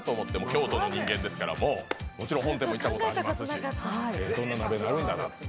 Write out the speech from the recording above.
京都の人間ですから、もちろん本店も行ったことがありますし、どんな鍋になるんかな。